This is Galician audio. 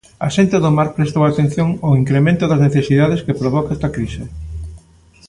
A xente do mar prestou atención ao incremento das necesidades que provoca esta crise.